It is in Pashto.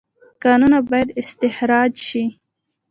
کانونه باید استخراج شي